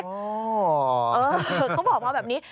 เขาบอกมาแบบนี้